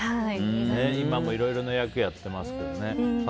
今もいろいろな役やってますけどね。